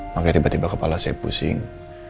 makanya tiba tiba kepala saya pusing